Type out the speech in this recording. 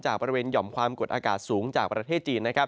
จากประเภทหมึงที่หยอมคนอากาศสูงจากประเทศจีน